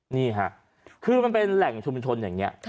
นี่ค่ะคือมันเป็นแหล่งชุมชนอย่างนี้